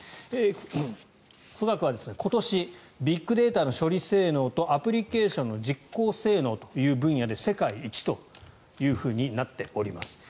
富岳は今年ビッグデータの処理性能とアプリケーションの実行性能という分野で世界一となっております。